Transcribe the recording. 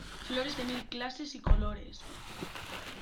Flores de mil clases y colores.